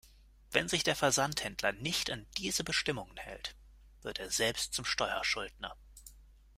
Wenn sich der Versandhändler nicht an diese Bestimmungen hält, wird er selbst zum Steuerschuldner.